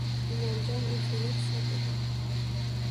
Inomjon o`zida yo`q shod edi